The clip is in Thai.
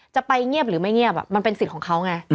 จะไปเงียบหรือไม่เงียบมันเป็นสิทธิ์ของเขาไง